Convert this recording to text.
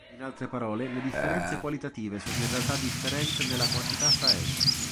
In altre parole, le differenze qualitative sono in realtà differenze nella quantità fra enti.